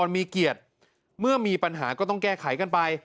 มีเกียรติเมื่อมีปัญหาก็ต้องแก้ไขกันไป